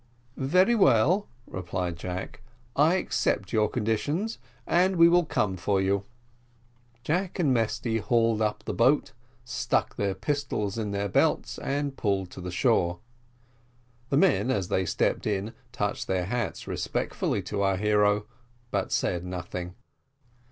"Very well," replied Jack, "I accept your conditions; and we will come for you." Jack and Mesty hauled up the boat, stuck their pistols in their belts, and pulled to the shore. The men, as they stepped in, touched their hats respectfully to our hero, but said nothing.